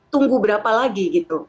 tunggu berapa lagi gitu